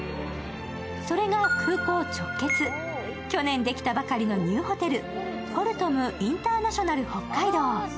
それが空港直結、去年できたばかりのニューホテル、ポルトムインターナショナル北海道。